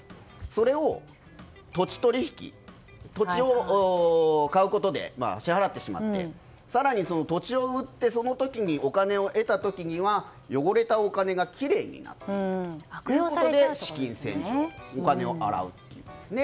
それを土地取引土地を買うことで支払ってしまって更に土地を売ってその時にお金を得た時には汚れたお金がきれいになるということで資金洗浄お金を洗うということですね。